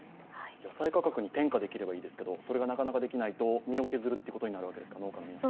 野菜価格に転嫁できればいいですけどそれがなかなかできないと身を削るということになるわけですか、農家の皆さんは。